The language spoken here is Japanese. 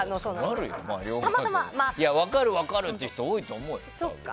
分かる分かるって人多いと思うよ。